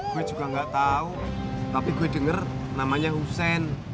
gue juga gak tahu tapi gue denger namanya hussein